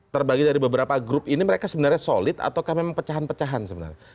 terbagi dari beberapa grup ini mereka sebenarnya solid ataukah memang pecahan pecahan sebenarnya